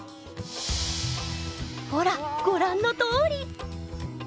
ほらご覧のとおり！